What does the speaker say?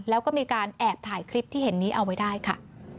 แล้วก็มีการแอบถ่ายคลิปที่เห็นนี้เอาไว้ได้ค่ะ